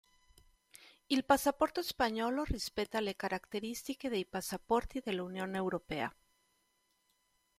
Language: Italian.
Il passaporto spagnolo rispetta le caratteristiche dei passaporti dell'Unione europea.